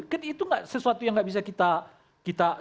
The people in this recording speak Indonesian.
kan itu sesuatu yang nggak bisa kita